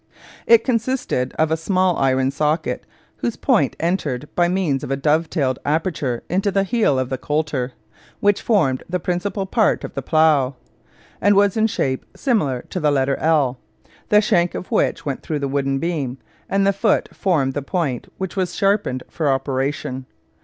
It consisted of a small iron socket, whose point entered by means of a dove tailed aperture into the heel of the coulter, which formed the principal part of the plough, and was in shape similar to the letter L, the shank of which went through the wooden beam, and the foot formed the point which was sharpened for operation.